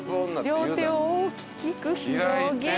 両手を大きく広げ。